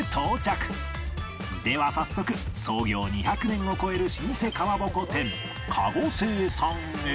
では早速創業２００年を超える老舗かまぼこ店籠さんへ